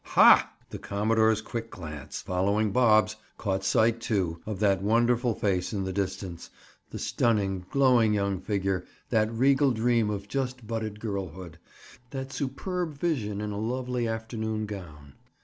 "Ha!" The commodore's quick glance, following Bob's, caught sight, too, of that wonderful face in the distance—the stunning, glowing young figure—that regal dream of just budded girlhood—that superb vision in a lovely afternoon gown!